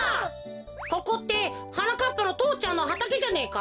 ここってはなかっぱの父ちゃんのはたけじゃねえか。